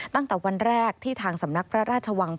ตั้งแต่วันแรกที่ทางสำนักพระราชวัง